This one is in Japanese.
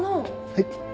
はい。